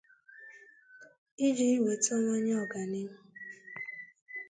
iji wètawanye ọganihu.